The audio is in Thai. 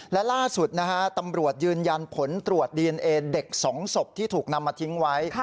และล่าสุดนะฮะตำรวจยืนยันผลตรวจดีเอนเอเด็ก๒ศพที่ถูกนำมาทิ้งไว้